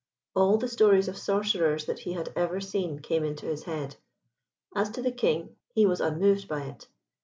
All the stories of sorcerers that he had ever seen came into his head. As to the King, he was unmoved by it.